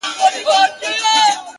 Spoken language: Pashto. o راځه د ژوند په چل دي پوه کړمه زه ـ